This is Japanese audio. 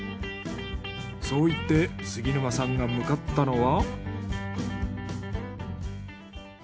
そう言って杉沼さんが向かったのは。